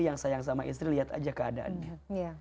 yang sayang sama istri lihat aja keadaannya